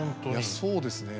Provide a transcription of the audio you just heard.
そうですね。